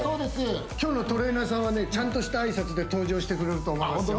今日のトレーナーさんはねちゃんとした挨拶で登場してくれると思いますよ